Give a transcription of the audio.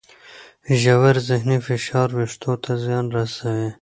ژور ذهني فشار وېښتو ته زیان رسوي.